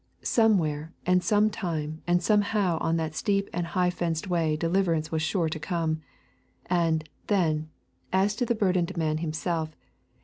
Somewhere and sometime and somehow on that steep and high fenced way deliverance was sure to come. And, then, as to the burdened man himself.